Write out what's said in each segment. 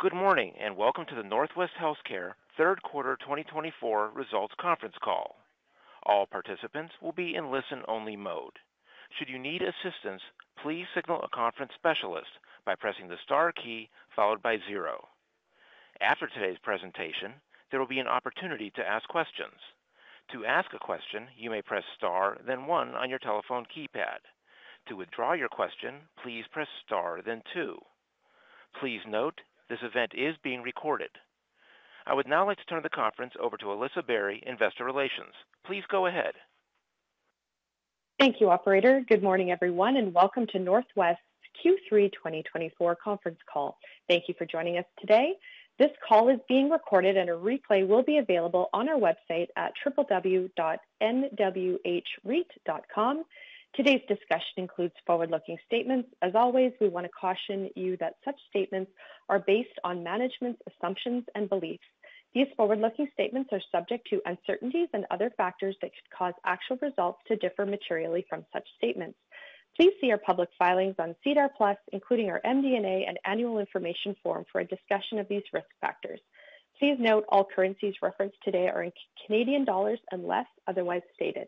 Good morning and welcome to the Northwest Healthcare Third Quarter 2024 Results Conference Call. All participants will be in listen-only mode. Should you need assistance, please signal a conference specialist by pressing the star key followed by zero. After today's presentation, there will be an opportunity to ask questions. To ask a question, you may press star, then one on your telephone keypad. To withdraw your question, please press star, then two. Please note this event is being recorded. I would now like to turn the conference over to Alyssa Barry, Investor Relations. Please go ahead. Thank you, Operator. Good morning, everyone, and welcome to Northwest Q3 2024 Conference Call. Thank you for joining us today. This call is being recorded, and a replay will be available on our website at www.nwhreit.com. Today's discussion includes forward-looking statements. As always, we want to caution you that such statements are based on management's assumptions and beliefs. These forward-looking statements are subject to uncertainties and other factors that could cause actual results to differ materially from such statements. Please see our public filings on SEDAR+, including our MD&A and Annual Information Form for a discussion of these risk factors. Please note all currencies referenced today are in Canadian dollars unless otherwise stated.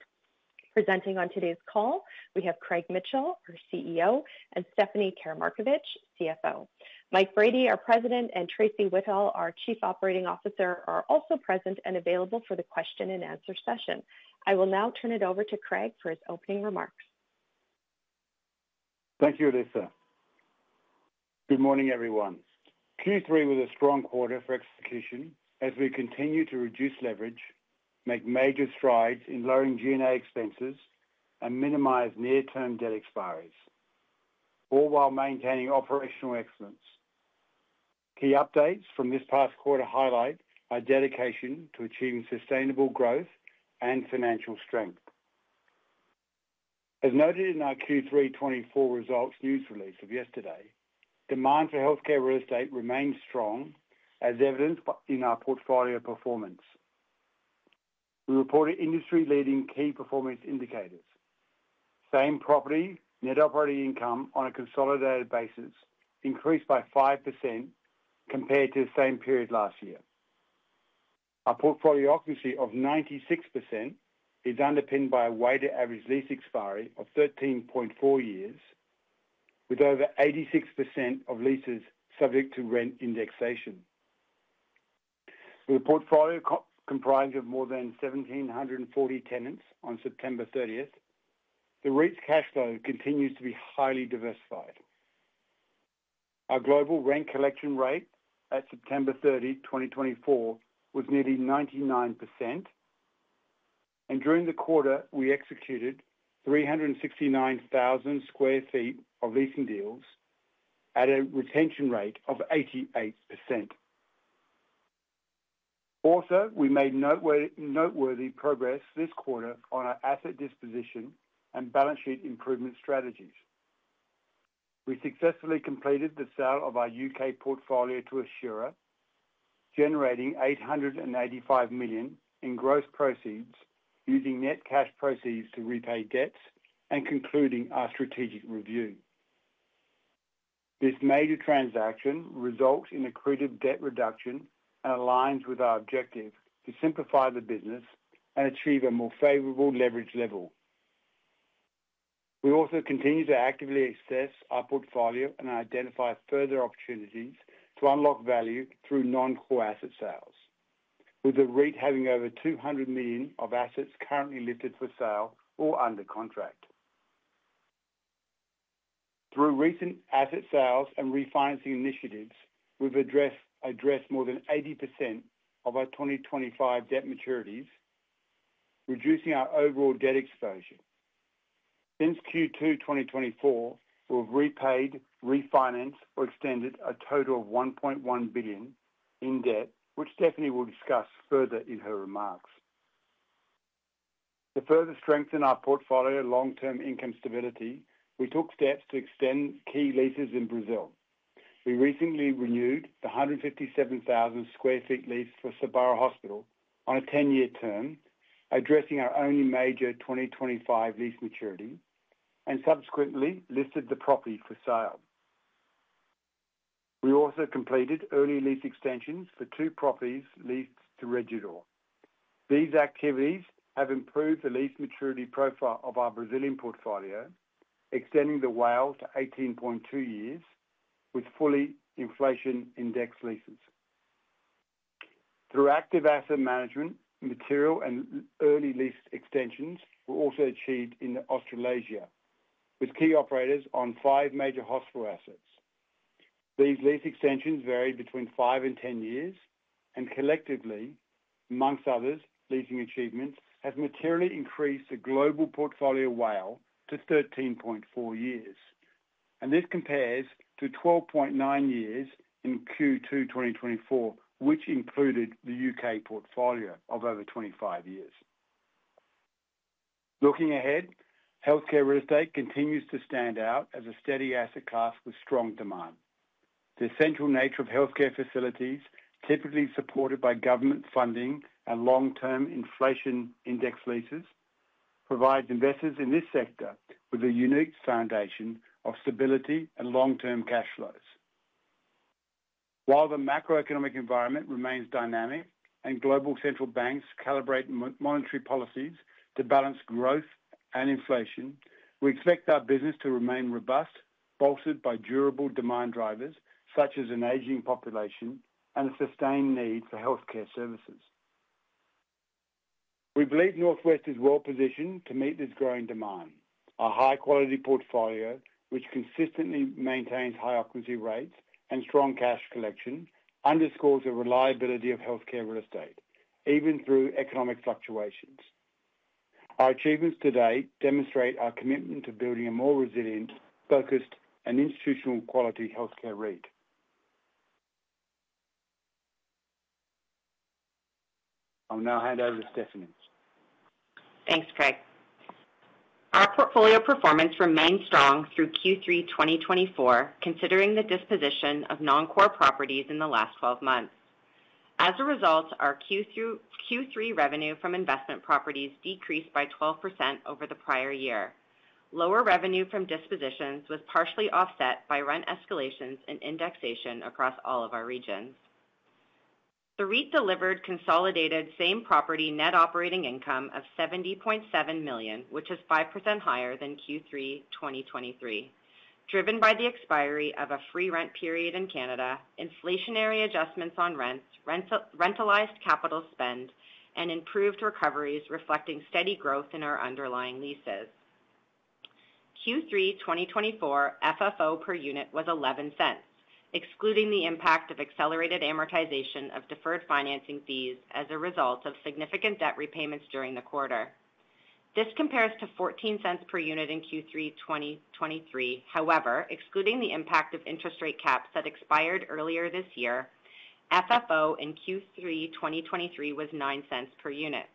Presenting on today's call, we have Craig Mitchell, our CEO, and Stephanie Karamarkovic, CFO. Mike Brady, our President, and Tracey Whittall, our Chief Operating Officer, are also present and available for the question-and-answer session. I will now turn it over to Craig for his opening remarks. Thank you, Alyssa. Good morning, everyone. Q3 was a strong quarter for execution as we continue to reduce leverage, make major strides in lowering G&A expenses, and minimize near-term debt expiries, all while maintaining operational excellence. Key updates from this past quarter highlight our dedication to achieving sustainable growth and financial strength. As noted in our Q3 2024 results news release of yesterday, demand for healthcare real estate remained strong, as evidenced in our portfolio performance. We reported industry-leading key performance indicators. Same property net operating income on a consolidated basis increased by 5% compared to the same period last year. Our portfolio occupancy of 96% is underpinned by a weighted average lease expiry of 13.4 years, with over 86% of leases subject to rent indexation. With a portfolio comprised of more than 1,740 tenants on September 30th, the REIT's cash flow continues to be highly diversified. Our global rent collection rate at September 30, 2024, was nearly 99%, and during the quarter, we executed 369,000 sq ft of leasing deals at a retention rate of 88%. Also, we made noteworthy progress this quarter on our asset disposition and balance sheet improvement strategies. We successfully completed the sale of our U.K. portfolio to Assura, generating 885 million in gross proceeds using net cash proceeds to repay debts and concluding our strategic review. This major transaction results in accretive debt reduction and aligns with our objective to simplify the business and achieve a more favorable leverage level. We also continue to actively assess our portfolio and identify further opportunities to unlock value through non-core asset sales, with the REIT having over 200 million of assets currently listed for sale or under contract. Through recent asset sales and refinancing initiatives, we've addressed more than 80% of our 2025 debt maturities, reducing our overall debt exposure. Since Q2 2024, we've repaid, refinanced, or extended a total of 1.1 billion in debt, which Stephanie will discuss further in her remarks. To further strengthen our portfolio long-term income stability, we took steps to extend key leases in Brazil. We recently renewed the 157,000 sq ft lease for Sabará Hospital on a 10-year term, addressing our only major 2025 lease maturity, and subsequently listed the property for sale. We also completed early lease extensions for two properties leased to Rede D'Or. These activities have improved the lease maturity profile of our Brazilian portfolio, extending the WALE to 18.2 years with fully inflation-indexed leases. Through active asset management, material and early lease extensions were also achieved in Australasia with key operators on five major hospital assets. These lease extensions varied between five and ten years, and collectively, amongst others, leasing achievements have materially increased the global portfolio WALE to 13.4 years, and this compares to 12.9 years in Q2 2024, which included the U.K. portfolio of over 25 years. Looking ahead, healthcare real estate continues to stand out as a steady asset class with strong demand. The essential nature of healthcare facilities, typically supported by government funding and long-term inflation-indexed leases, provides investors in this sector with a unique foundation of stability and long-term cash flows. While the macroeconomic environment remains dynamic and global central banks calibrate monetary policies to balance growth and inflation, we expect our business to remain robust, bolstered by durable demand drivers such as an aging population and a sustained need for healthcare services. We believe Northwest is well positioned to meet this growing demand. Our high-quality portfolio, which consistently maintains high occupancy rates and strong cash collection, underscores the reliability of healthcare real estate, even through economic fluctuations. Our achievements to date demonstrate our commitment to building a more resilient, focused, and institutional-quality healthcare REIT. I'll now hand over to Stephanie. Thanks, Craig. Our portfolio performance remained strong through Q3 2024, considering the disposition of non-core properties in the last 12 months. As a result, our Q3 revenue from investment properties decreased by 12% over the prior year. Lower revenue from dispositions was partially offset by rent escalations and indexation across all of our regions. The REIT delivered consolidated same property net operating income of CAD 70.7 million, which is 5% higher than Q3 2023, driven by the expiry of a free rent period in Canada, inflationary adjustments on rents, rentalized capital spend, and improved recoveries reflecting steady growth in our underlying leases. Q3 2024 FFO per unit was 0.11, excluding the impact of accelerated amortization of deferred financing fees as a result of significant debt repayments during the quarter. This compares to 0.14 per unit in Q3 2023. However, excluding the impact of interest rate caps that expired earlier this year, FFO in Q3 2023 was 9 cents per unit.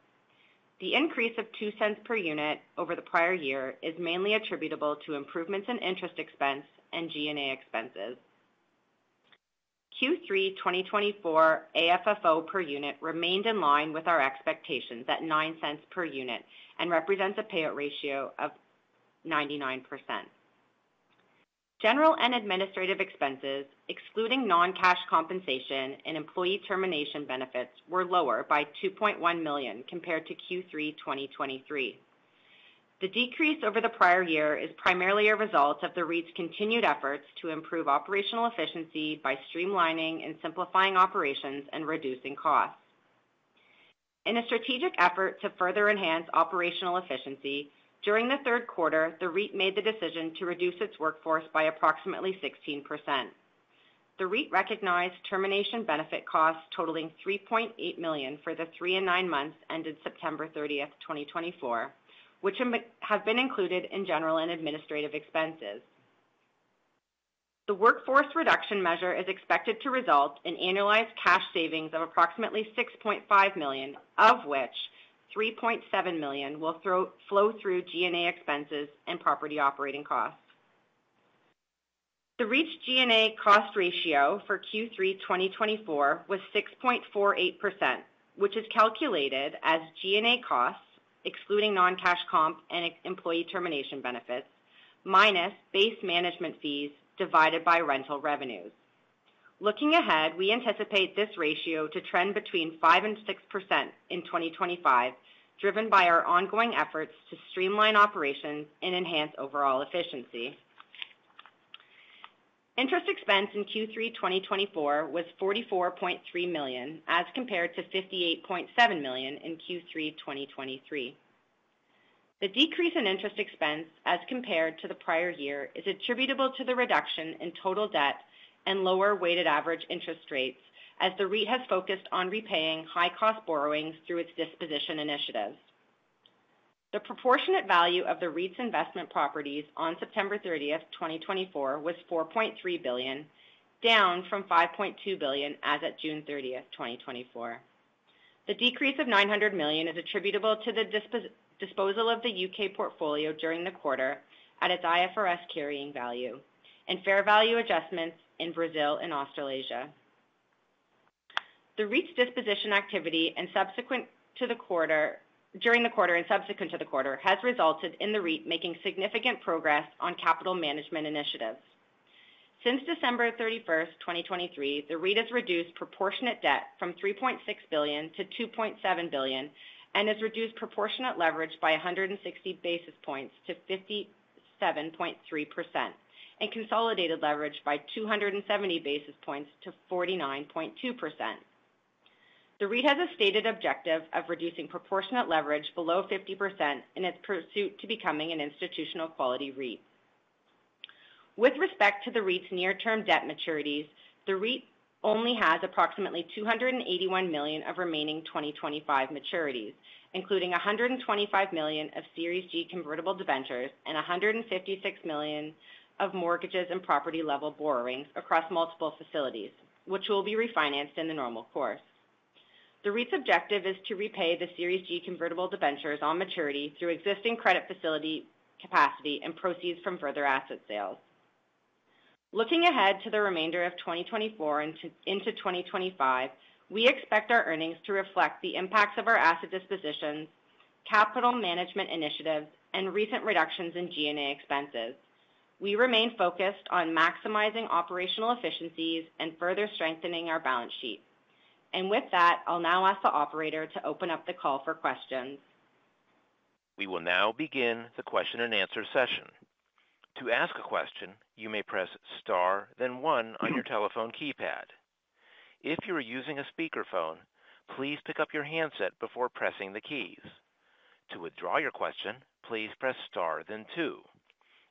The increase of 2 cents per unit over the prior year is mainly attributable to improvements in interest expense and G&A expenses. Q3 2024 AFFO per unit remained in line with our expectations at 9 cents per unit and represents a payout ratio of 99%. General and administrative expenses, excluding non-cash compensation and employee termination benefits, were lower by 2.1 million compared to Q3 2023. The decrease over the prior year is primarily a result of the REIT's continued efforts to improve operational efficiency by streamlining and simplifying operations and reducing costs. In a strategic effort to further enhance operational efficiency, during the third quarter, the REIT made the decision to reduce its workforce by approximately 16%. The REIT recognized termination benefit costs totaling 3.8 million for the three and nine months ended September 30, 2024, which have been included in general and administrative expenses. The workforce reduction measure is expected to result in annualized cash savings of approximately 6.5 million, of which 3.7 million will flow through G&A expenses and property operating costs. The REIT's G&A cost ratio for Q3 2024 was 6.48%, which is calculated as G&A costs, excluding non-cash comp and employee termination benefits, minus base management fees divided by rental revenues. Looking ahead, we anticipate this ratio to trend between 5%-6% in 2025, driven by our ongoing efforts to streamline operations and enhance overall efficiency. Interest expense in Q3 2024 was 44.3 million as compared to 58.7 million in Q3 2023. The decrease in interest expense as compared to the prior year is attributable to the reduction in total debt and lower weighted average interest rates, as the REIT has focused on repaying high-cost borrowings through its disposition initiatives. The proportionate value of the REIT's investment properties on September 30, 2024, was 4.3 billion, down from 5.2 billion as at June 30, 2024. The decrease of 900 million is attributable to the disposal of the U.K. portfolio during the quarter at its IFRS carrying value and fair value adjustments in Brazil and Australasia. The REIT's disposition activity during the quarter and subsequent to the quarter has resulted in the REIT making significant progress on capital management initiatives. Since December 31, 2023, the REIT has reduced proportionate debt from 3.6 billion to 2.7 billion and has reduced proportionate leverage by 160 basis points to 57.3% and consolidated leverage by 270 basis points to 49.2%. The REIT has a stated objective of reducing proportionate leverage below 50% in its pursuit to becoming an institutional-quality REIT. With respect to the REIT's near-term debt maturities, the REIT only has approximately 281 million of remaining 2025 maturities, including 125 million of Series G Convertible Debentures and 156 million of mortgages and property-level borrowings across multiple facilities, which will be refinanced in the normal course. The REIT's objective is to repay the Series G Convertible Debentures on maturity through existing credit facility capacity and proceeds from further asset sales. Looking ahead to the remainder of 2024 into 2025, we expect our earnings to reflect the impacts of our asset dispositions, capital management initiatives, and recent reductions in G&A expenses. We remain focused on maximizing operational efficiencies and further strengthening our balance sheet. And with that, I'll now ask the operator to open up the call for questions. We will now begin the question and answer session. To ask a question, you may press star, then one on your telephone keypad. If you are using a speakerphone, please pick up your handset before pressing the keys. To withdraw your question, please press star, then two.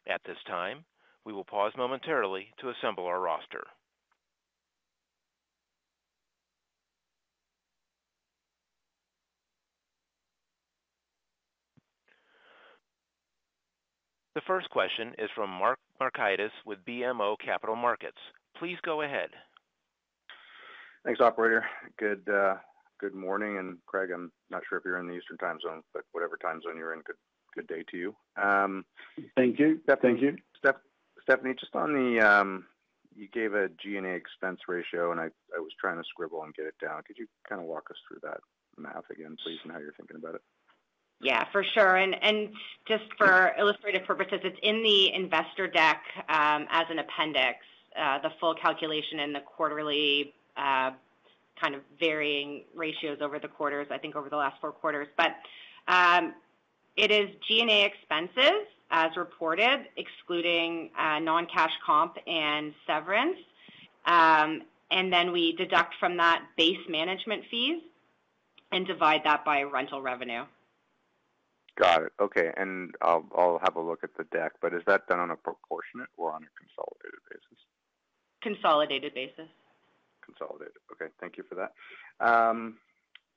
At this time, we will pause momentarily to assemble our roster. The first question is from Mike Markidis with BMO Capital Markets. Please go ahead. Thanks, operator. Good morning, and Craig, I'm not sure if you're in the Eastern time zone, but whatever time zone you're in, good day to you. Thank you. Stephanie, just on the one you gave a G&A expense ratio, and I was trying to scribble and get it down. Could you kind of walk us through that math again, please, and how you're thinking about it? Yeah, for sure. And just for illustrative purposes, it's in the investor deck as an appendix, the full calculation and the quarterly kind of varying ratios over the quarters, I think over the last four quarters. But it is G&A expenses as reported, excluding non-cash comp and severance. And then we deduct from that base management fees and divide that by rental revenue. Got it. Okay. And I'll have a look at the deck, but is that done on a proportionate or on a consolidated basis? Consolidated basis. Consolidated. Okay. Thank you for that.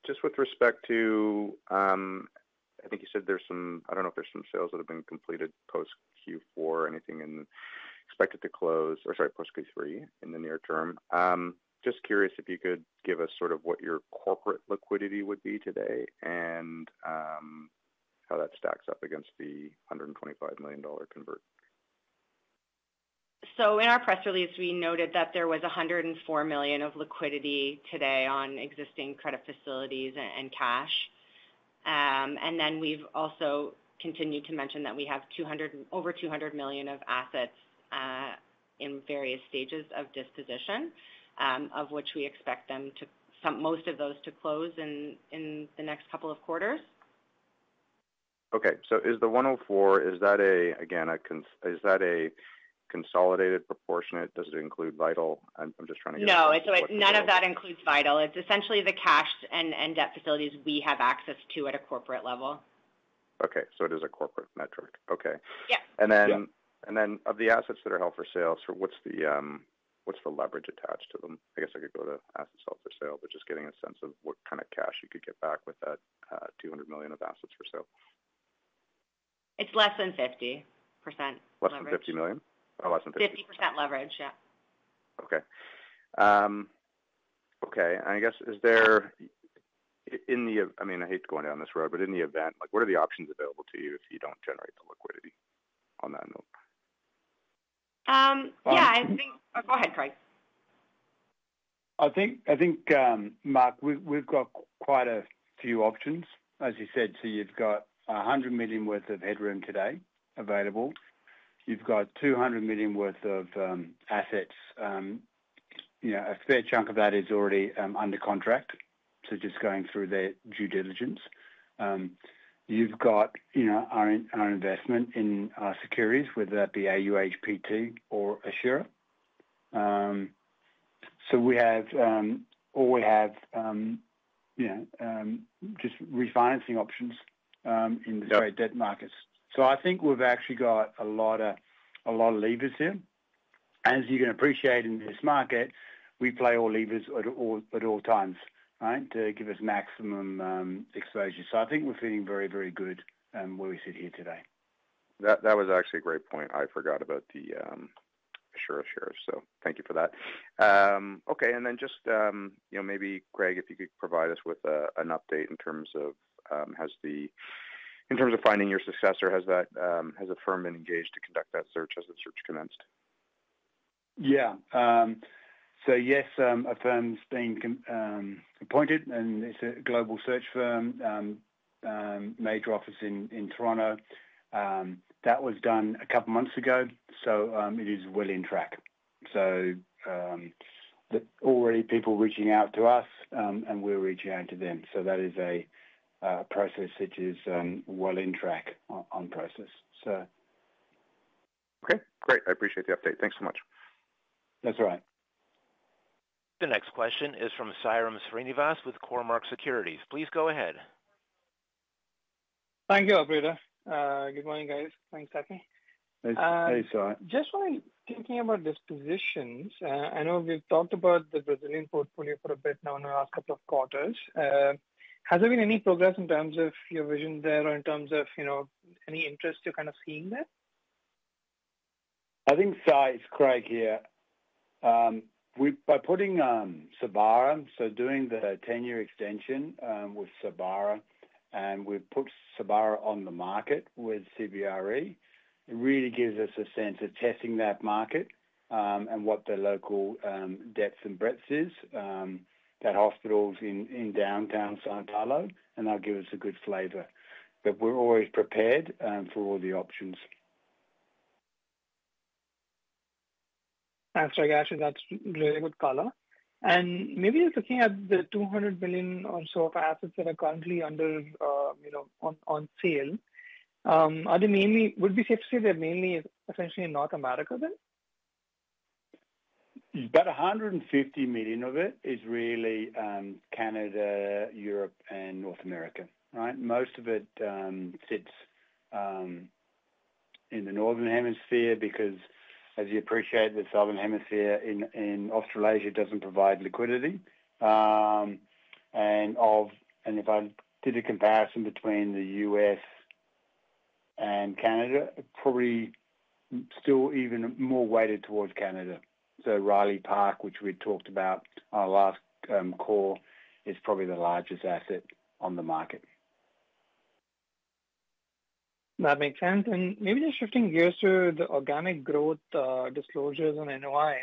Just with respect to, I think you said there's some I don't know if there's some sales that have been completed post Q4 or anything and expected to close or, sorry, post Q3 in the near term. Just curious if you could give us sort of what your corporate liquidity would be today and how that stacks up against the 125 million dollar convert? So in our press release, we noted that there was 104 million of liquidity today on existing credit facilities and cash. And then we've also continued to mention that we have over 200 million of assets in various stages of disposition, of which we expect most of those to close in the next couple of quarters. Okay. So is the 104, is that a, again, is that a consolidated proportionate? Does it include Vital? I'm just trying to get a sense of that. No, none of that includes Vital. It's essentially the cash and debt facilities we have access to at a corporate level. Okay. So it is a corporate metric. Okay. Yeah. And then of the assets that are held for sale, what's the leverage attached to them? I guess I could go to assets held for sale, but just getting a sense of what kind of cash you could get back with that 200 million of assets for sale. It's less than 50% leverage. Less than 50 million? Oh, less than 50%. 50% leverage, yeah. Okay. And I guess, I mean, I hate going down this road, but in the event, what are the options available to you if you don't generate the liquidity on that note? Yeah, I think, oh, go ahead, Craig. I think, Mike, we've got quite a few options. As you said, so you've got 100 million worth of headroom today available. You've got 200 million worth of assets. A fair chunk of that is already under contract, so just going through their due diligence. You've got our investment in our securities, whether that be AUHPT or Assura. So we have all we have just refinancing options in the straight debt markets. So I think we've actually got a lot of levers here. As you can appreciate in this market, we play all levers at all times, right, to give us maximum exposure. So I think we're feeling very, very good where we sit here today. That was actually a great point. I forgot about the Assura shares, so thank you for that. Okay. And then just maybe, Craig, if you could provide us with an update in terms of finding your successor, has a firm been engaged to conduct that search? Has the search commenced? Yeah. So yes, a firm's been appointed, and it's a global search firm, major office in Toronto. That was done a couple of months ago, so it is well on track. So already people reaching out to us, and we're reaching out to them. So that is a process which is well on track on process, so. Okay. Great. I appreciate the update. Thanks so much. That's all right. The next question is from Sairam Srinivas with Cormark Securities. Please go ahead. Thank you, Operator. Good morning, guys. Thanks, Stephanie. Hey, Sairam. Just thinking about dispositions, I know we've talked about the Brazilian portfolio for a bit now in the last couple of quarters. Has there been any progress in terms of your vision there or in terms of any interest you're kind of seeing there? I think size, Craig, here. By putting Sabará, so doing the 10-year extension with Sabará, and we've put Sabará on the market with CBRE. It really gives us a sense of testing that market and what the local depth and breadth is. That hospital's in downtown São Paulo, and that'll give us a good flavor. But we're always prepared for all the options. Thanks, Craig. Actually, that's really a good color. And maybe looking at the 200 million or so of assets that are currently on sale, would it be safe to say they're mainly essentially in North America then? About 150 million of it is really Canada, Europe, and North America, right? Most of it sits in the northern hemisphere because, as you appreciate, the southern hemisphere in Australasia doesn't provide liquidity. And if I did a comparison between the U.S. and Canada, it's probably still even more weighted towards Canada. So Riley Park, which we talked about on our last call, is probably the largest asset on the market. That makes sense. And maybe just shifting gears to the organic growth disclosures on NOI.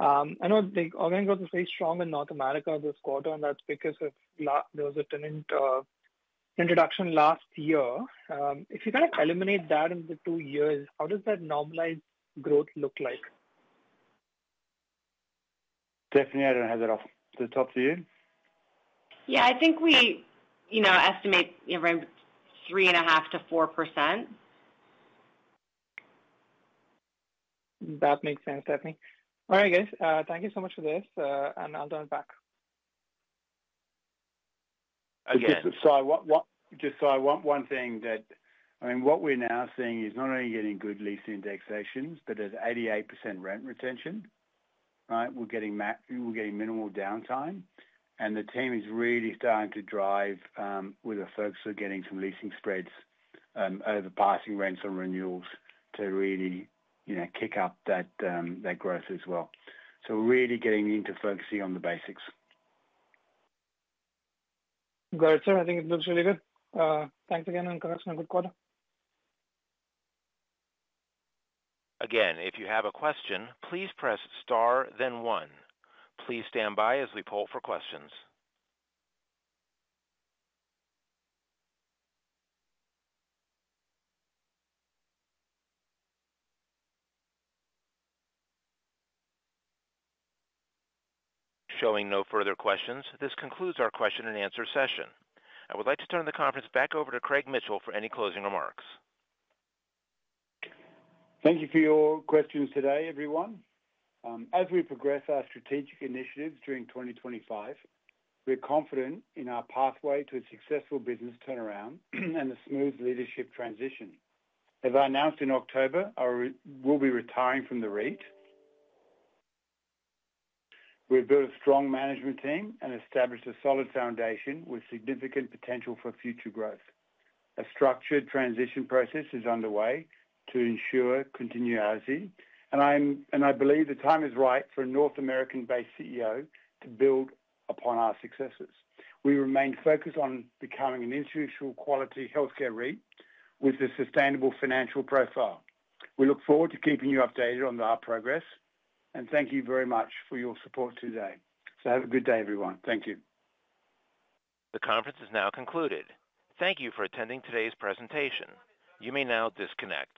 I know the organic growth is very strong in North America this quarter, and that's because of those tenant introductions last year. If you kind of eliminate that in the two years, how does that normalized growth look like? Stephanie, I don't have that off the top of the head. Yeah, I think we estimate around 3.5%-4%. That makes sense, Stephanie. All right, guys. Thank you so much for this, and I'll turn it back. Again. Yes. I mean, what we're now seeing is not only getting good lease indexations, but there's 88% rent retention, right? We're getting minimal downtime, and the team is really starting to drive with the folks who are getting some leasing spreads over passing rents and renewals to really kick up that growth as well, so we're really getting into focusing on the basics. Got it, sir. I think it looks really good. Thanks again, and congrats on a good quarter. Again, if you have a question, please press star, then one. Please stand by as we poll for questions. Showing no further questions, this concludes our question and answer session. I would like to turn the conference back over to Craig Mitchell for any closing remarks. Thank you for your questions today, everyone. As we progress our strategic initiatives during 2025, we're confident in our pathway to a successful business turnaround and a smooth leadership transition. As I announced in October, we'll be retiring from the REIT. We've built a strong management team and established a solid foundation with significant potential for future growth. A structured transition process is underway to ensure continuity, and I believe the time is right for a North American-based CEO to build upon our successes. We remain focused on becoming an institutional-quality healthcare REIT with a sustainable financial profile. We look forward to keeping you updated on our progress, and thank you very much for your support today. So have a good day, everyone. Thank you. The conference is now concluded. Thank you for attending today's presentation. You may now disconnect.